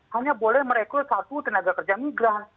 hanya boleh merekrut satu tenaga kerja migran